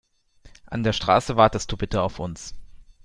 An der Straße wartest du bitte auf uns.